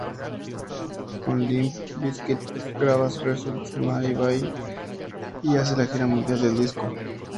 Con Limp Bizkit graba Results May Vary y hace la gira mundial del disco.